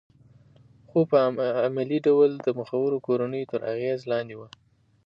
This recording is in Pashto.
خو په عملي ډول د مخورو کورنیو تر اغېز لاندې وه